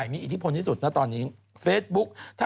จากกระแสของละครกรุเปสันนิวาสนะฮะ